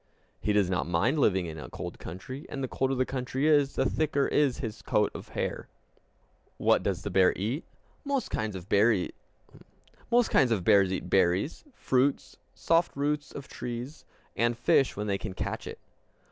He does not mind living in a cold country; and the colder the country is, the thicker is his coat of hair. What does the bear eat? Most kinds of bears eat berries, fruits, soft roots of trees, and fish when they can catch it.